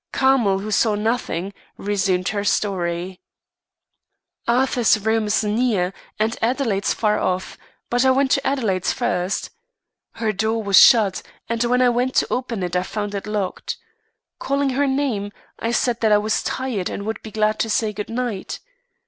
Carmel, who saw nothing, resumed her story. "Arthur's room is near, and Adelaide's far off; but I went to Adelaide's first. Her door was shut and when I went to open it I found it locked. Calling her name, I said that I was tired and would be glad to say good night.